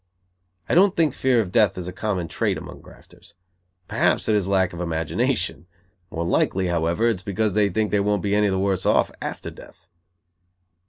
I don't think fear of death is a common trait among grafters. Perhaps it is lack of imagination; more likely, however, it is because they think they won't be any the worse off after death.